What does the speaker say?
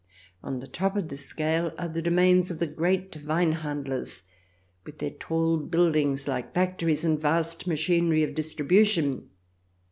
On the top of the scale are the domains of the great " Weinhand lers,"with their tall buildings like factories, and vast machinery of distribution.